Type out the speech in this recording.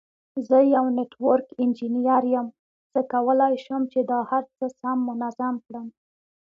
زه یو نټورک انجینیر یم، زه کولای شم چې دا هر څه سم منظم کړم.